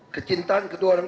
kecintaan kedua orang